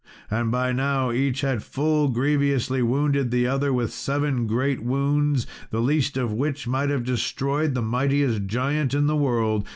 And by now, each had full grievously wounded the other with seven great wounds, the least of which might have destroyed the mightiest giant in the world.